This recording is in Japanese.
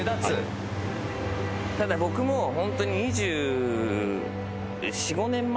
ただ僕もホントに。